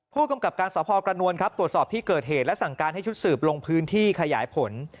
ผู้กำกับการสพกระนวลครับตรวจสอบที่เกิดเหตุและสั่งการให้ชุดสืบลงพื้นที่ขยายผล